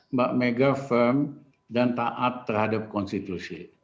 mbak mega firm dan taat terhadap konstitusi